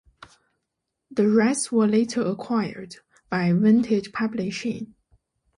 The rights were later acquired by Vintage Publishing.